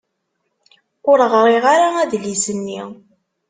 Ur ɣriɣ ara adlis-nni.